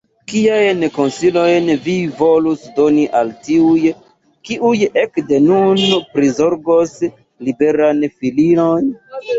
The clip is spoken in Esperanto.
Kiajn konsilojn vi volus doni al tiuj, kiuj ekde nun prizorgos Liberan Folion?